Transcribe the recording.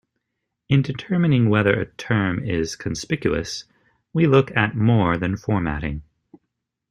In determining whether a term is conspicuous, we look at more than formatting.